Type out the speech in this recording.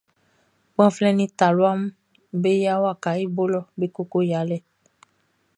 Gbanflɛn nin talua mun be yia wakaʼn i bo lɔ be koko yalɛ.